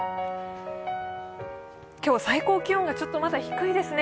今日、最高気温がまだちょっと低いですね。